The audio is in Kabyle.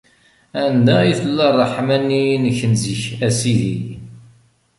Anda i tella ṛṛeḥma-nni-inek n zik, a Sidi.